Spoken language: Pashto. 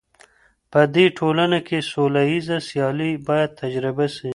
په دې ټولنه کي سوله ييزه سيالي بايد تجربه سي.